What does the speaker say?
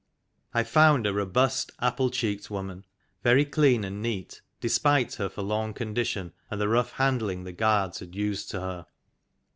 I found a robust, apple cheeked woman, very clean and neat, despite her forlorn condition and the rough handling the guards had used to her.